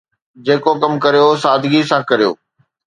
جيڪو ڪم ڪريو، سادگيءَ سان ڪريو